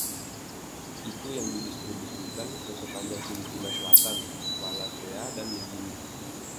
Itu didistribusikan ke sepanjang Filipina selatan, Wallacea dan Nugini.